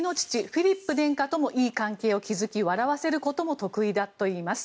フィリップ殿下ともいい関係を築き笑わせることも得意だといいます。